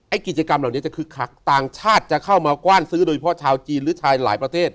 กิจกรรมเหล่านี้จะคึกคักต่างชาติจะเข้ามากว้านซื้อโดยเฉพาะชาวจีนหรือชายหลายประเทศ